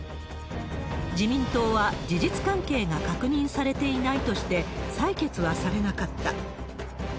自民党は事実関係が確認されていないとして、採決はされなかった。